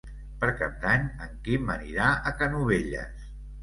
Per Cap d'Any en Quim anirà a Canovelles.